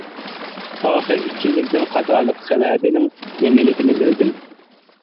ئاخىرى ئىككىمىزنىڭ خاتالىقى سەۋەبىنىڭ نېمىلىكى بىلدىم.